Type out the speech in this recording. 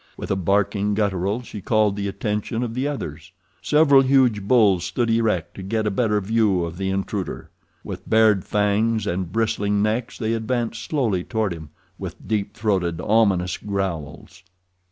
With a barking guttural she called the attention of the others. Several huge bulls stood erect to get a better view of the intruder. With bared fangs and bristling necks they advanced slowly toward him, with deep throated, ominous growls.